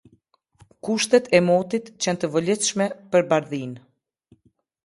Kushtet e motit qenë të volitshme për bardhinë.